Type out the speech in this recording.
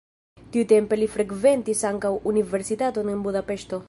Tiutempe li frekventis ankaŭ universitaton en Budapeŝto.